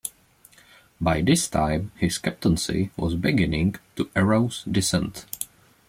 By this time his captaincy was beginning to arouse dissent.